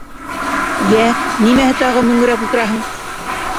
— Йә, нимәһе тағы мөңөрәп ултыраһың?